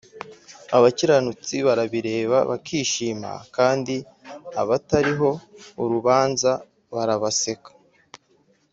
abakiranutsi barabireba bakishima kandi abatariho urubanza barabaseka